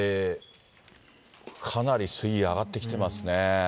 かなり水位上がってきてますね。